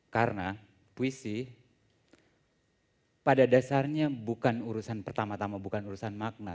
karena puisi pada dasarnya bukan urusan pertama tama bukan urusan makna